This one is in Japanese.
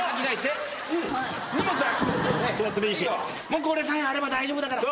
もうこれさえあれば大丈夫だから。